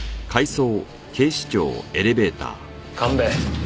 神戸。